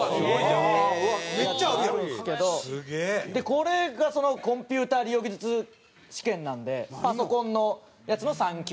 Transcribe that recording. これがコンピュータ利用技術試験なんでパソコンのやつの３級。